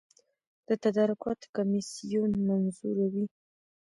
د تدارکاتو کمیسیون منظوروي